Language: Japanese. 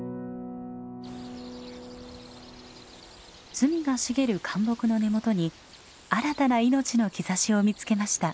ズミが茂る灌木の根元に新たな命の兆しを見つけました。